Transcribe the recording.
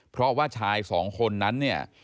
เพราะว่าชายสองคนนั้นเนี่ย